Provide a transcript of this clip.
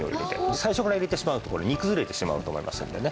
最初から入れてしまうとこれ煮崩れてしまうと思いますんでね。